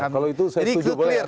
kalau itu saya setuju boleh